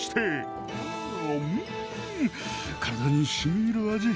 うん体にしみいる味。